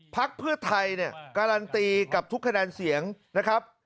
พักเพื่อไทยเนี่ยการันตีกับทุกคะแนนเสียงนะครับ